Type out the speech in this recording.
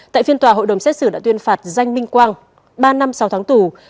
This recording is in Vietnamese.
tại phiên tòa hội đồng xét xử đã tuyên phạt danh minh hoàng ba năm sau tháng tù